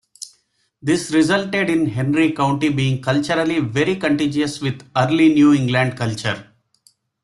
This resulted in Henry County being culturally very contiguous with early New England culture.